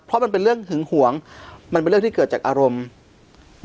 เพราะมันเป็นเรื่องหึงหวงมันเป็นเรื่องที่เกิดจากอารมณ์